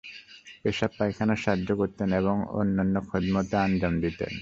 পেশাব-পায়খানায় সাহায্য করতেন এবং অন্যান্য খিদমতে আঞ্জাম দিতেন।